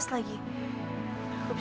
ya itu dong